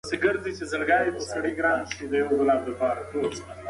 ده وویل چې دا یو بې ساه شی نه، بلکې یو ستر شخصیت دی.